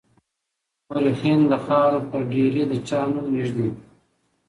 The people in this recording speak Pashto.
مورخين د خاورو پر ډېري د چا نوم ږدي.